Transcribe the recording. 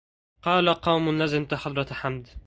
قال قوم لزمت حضرة حمد